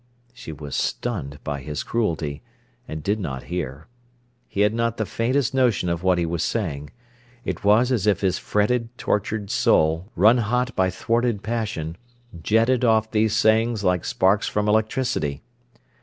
She was stunned by his cruelty, and did not hear. He had not the faintest notion of what he was saying. It was as if his fretted, tortured soul, run hot by thwarted passion, jetted off these sayings like sparks from electricity.